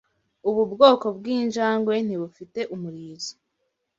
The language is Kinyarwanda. Ubu bwoko bwinjangwe ntibufite umurizo.